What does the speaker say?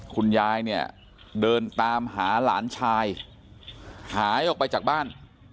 คุณยายเนี่ยเดินตามหาหลานชายหายออกไปจากบ้าน